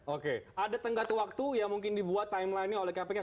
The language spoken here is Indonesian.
oke ada tenggat waktu yang mungkin dibuat timeline nya oleh kpk